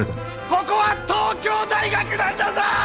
ここは東京大学なんだぞ！